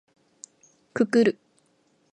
くくる